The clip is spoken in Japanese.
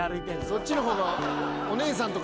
そっちの方が。